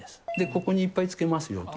ここにいっぱいつけますよと。